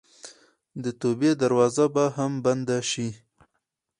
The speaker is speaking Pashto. د توبې دروازه به هم بنده شي.